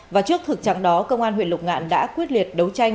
và trước thực trạng đó công an huyện lục ngạn đã quyết liệt đấu tranh